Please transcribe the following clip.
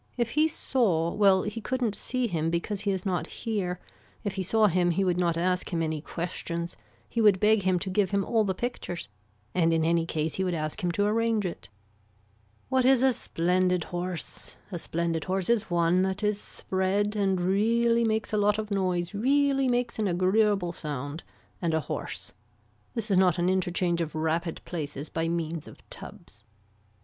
If he saw, well he couldn't see him because he is not here, if he saw him he would not ask him any questions, he would beg him to give him all the pictures and in any case he would ask him to arrange it. What is a splendid horse. A splendid horse is one that is spread and really makes a lot of noise really makes an agreeable sound and a hoarse. This is not an interchange of rapid places by means of tubs.